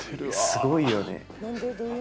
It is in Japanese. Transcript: すごいよね。